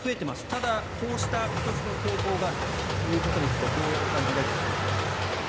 ただ、こうした今年の傾向があるということについてはどうお感じですか？